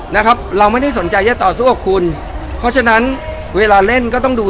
นะครับเราไม่ได้สนใจจะต่อสู้กับคุณเพราะฉะนั้นเวลาเล่นก็ต้องดู